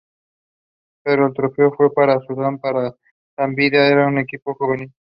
Pero el trofeo fue para Sudán, porque Zambia era un equipo juvenil.